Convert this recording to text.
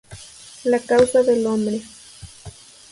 La causa del hombre".